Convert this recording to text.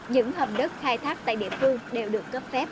những hầm đất khai thác tại địa phương đều được cấp phép